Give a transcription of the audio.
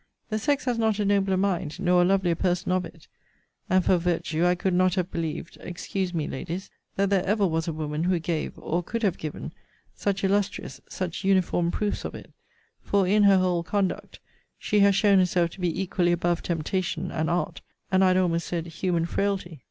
The sex has not a nobler mind, nor a lovelier person of it. And, for virtue, I could not have believed (excuse me, Ladies) that there ever was a woman who gave, or could have given, such illustrious, such uniform proofs of it: for, in her whole conduct, she has shown herself to be equally above temptation and art; and, I had almost said, human frailty.